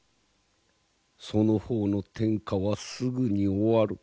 その方の天下はすぐに終わる。